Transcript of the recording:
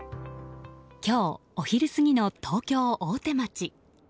今日お昼過ぎの東京・大手町。